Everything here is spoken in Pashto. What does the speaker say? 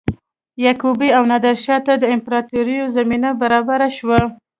یعقوب او نادرشاه ته د امپراتوریو زمینه برابره شوه.